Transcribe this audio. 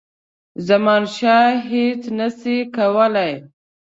زمانشاه هیچ نه سي کولای.